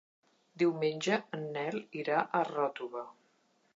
Diumenge en Nel irà a Ròtova.